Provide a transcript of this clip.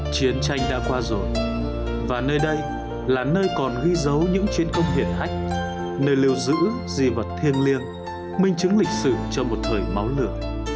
chiến tranh đã qua rồi và nơi đây là nơi còn ghi dấu những chiến công hiển hách nơi lưu giữ di vật thiêng liêng minh chứng lịch sử cho một thời máu lửa